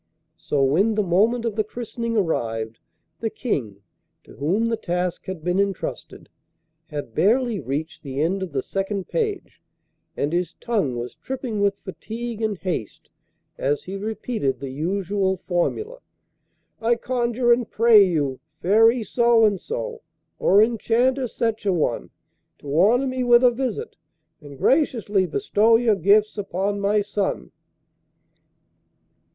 So, when the moment of the christening arrived the King to whom the task had been entrusted had barely reached the end of the second page and his tongue was tripping with fatigue and haste as he repeated the usual formula: 'I conjure and pray you, Fairy so and so' or 'Enchanter such a one' 'to honour me with a visit, and graciously bestow your gifts upon my son.